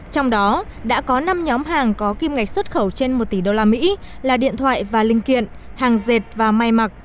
trong đó đã có năm nhóm hàng có kim ngạch xuất khẩu trên một tỷ đô la mỹ là điện thoại và linh kiện hàng dệt và may mặc